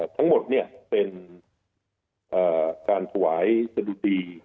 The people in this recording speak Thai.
ทั้งหมดเป็นการถวายสะดุดี